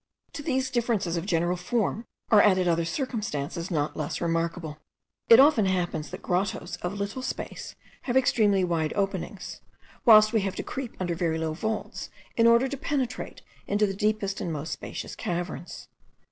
To these differences of general form are added other circumstances not less remarkable. It often happens, that grottoes of little space have extremely wide openings; whilst we have to creep under very low vaults, in order to penetrate into the deepest and most spacious caverns.